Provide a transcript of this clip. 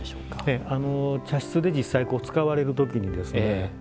茶室で実際使われるときにですね